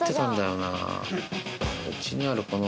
うちにあるこの。